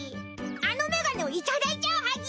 あのメガネをいただいちゃうはぎ！